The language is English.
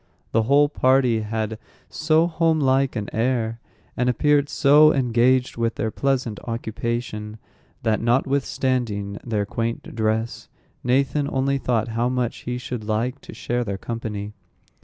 The whole party had so home like an air, and appeared so engaged with their pleasant occupation, that, notwithstanding their quaint dress, Nathan only thought how much he should like to share their company.